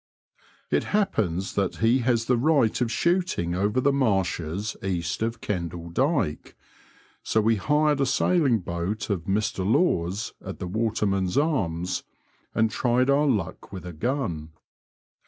It happens that he has the right of shooting over the marshes east of Kendall Dyke ; so we hired a sailing boat of Mr Laws, at the Waterman's Arms, and tried our luck with a gun.